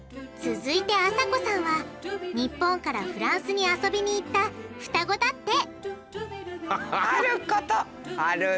続いてあさこさんは日本からフランスに遊びに行った双子だって！